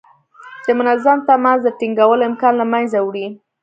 د منظم تماس د ټینګولو امکان له منځه وړي.